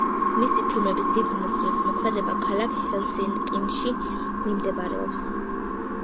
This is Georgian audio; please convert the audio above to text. მისი ფილმების დიდი ნაწილის მოქმედება ქალაქ ჰელსინკიში მიმდინარეობს.